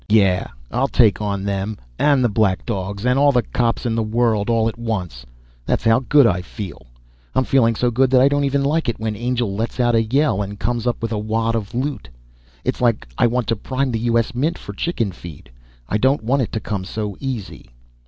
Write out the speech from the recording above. Yeah, I'll take on them, and the Black Dogs, and all the cops in the world all at once that's how good I'm feeling. I feel so good that I don't even like it when Angel lets out a yell and comes up with a wad of loot. It's like I want to prime the U.S. Mint for chickenfeed, I don't want it to come so easy.